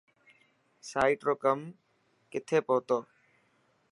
سائٽ رو ڪم ڪٿي پهتو.